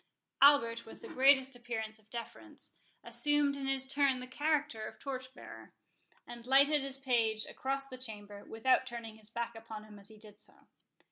Albert, with the greatest appearance of deference, assumed in his turn the character of torch bearer, and lighted his page across the chamber, without turning his back upon him as he did so.